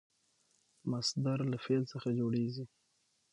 مصدر له فعل څخه جوړېږي.